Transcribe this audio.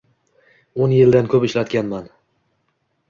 o‘n yildan ko‘p ishlaganman.